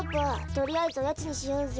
とりあえずおやつにしようぜ。